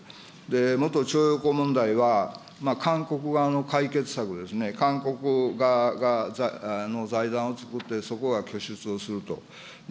元徴用工問題は、韓国側の解決策ですね、韓国側が財団を作ってそこが拠出をすると。